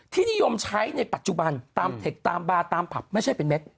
นิยมใช้ในปัจจุบันตามเทคตามบาร์ตามผับไม่ใช่เป็นเม็ด